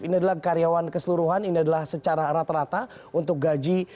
ini adalah karyawan keseluruhan ini adalah secara rata rata untuk gaji